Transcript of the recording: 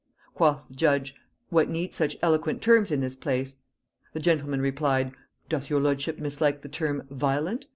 Quoth the Judge; 'What need such eloquent terms in this place?' The gentleman replied, 'Doth your lordship mislike the term (violent)?